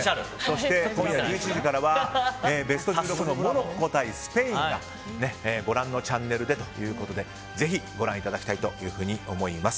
今夜１１時からはベスト１６のモロッコ対スペインがご覧のチャンネルということでぜひご覧いただきたいと思います。